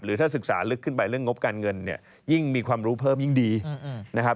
ถ้าศึกษาลึกขึ้นไปเรื่องงบการเงินเนี่ยยิ่งมีความรู้เพิ่มยิ่งดีนะครับ